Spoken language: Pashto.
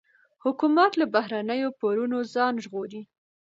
حکومت له بهرنیو پورونو ځان ژغوري.